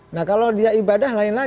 nah kalau dia ibadah lain lain